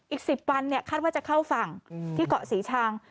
อีก๑๐วันคาดว่าจะเข้าฝั่งที่เกาะศรีชัง